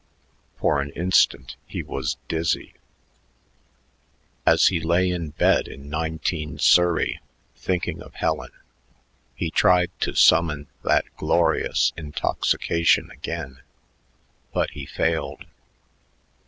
For an instant he was dizzy.... As he lay in bed in 19 Surrey thinking of Helen, he tried to summon that glorious intoxication again. But he failed.